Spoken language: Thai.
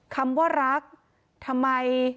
คำว่ารักทำไม